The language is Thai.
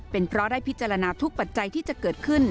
เป็นเพราะได้พิจารณาทุกปัจจัยที่จะเกิดขึ้น